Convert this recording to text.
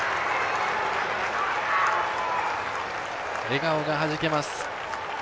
笑顔がはじけます。